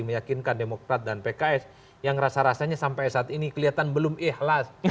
meyakinkan demokrat dan pks yang rasa rasanya sampai saat ini kelihatan belum ikhlas